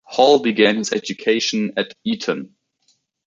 Hall began his education at Eton.